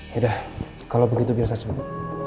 yaudah kalau begitu biar saya suruh